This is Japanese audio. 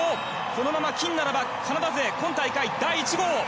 このまま金ならばカナダ勢今大会、第１号。